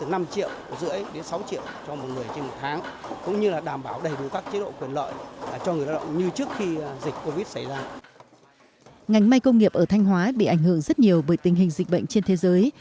ngành may công nghiệp ở thanh hóa bị ảnh hưởng rất nhiều bởi tình hình dịch bệnh trên thế giới